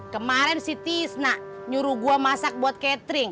kemaren si tisna nyuruh gue masak buat catering